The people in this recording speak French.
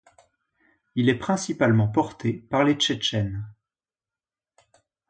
Il est principalement porté par les Tchétchènes.